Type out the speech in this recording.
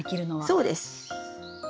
そうです。